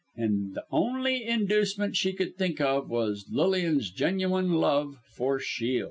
And the only inducement she could think of was Lilian's genuine love for Shiel.